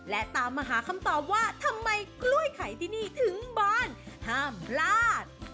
และตามมาหาคำตอบว่าทำไมกล้วยไข่ที่นี่ถึงบานห้ามพลาด